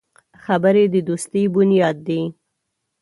خبرې د دوستي بنیاد دی